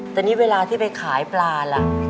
แต่นี่เวลาที่ไปขายปลาล่ะ